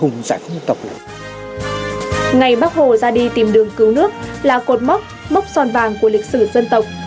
ngày bác hồ ra đi tìm đường cứu nước là cột mốc mốc son vàng của lịch sử dân tộc